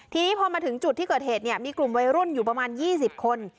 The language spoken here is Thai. ทีนี้พอมาถึงจุดที่เกิดเหตุเนี่ยมีกลุ่มวัยรุ่นอยู่ประมาณ๒๐คน